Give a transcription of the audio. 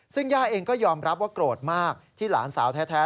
ซึ่งย่าเองก็ยอมรับว่าโกรธมากที่หลานสาวแท้